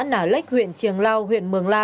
nà lách huyện triềng lao huyện mường la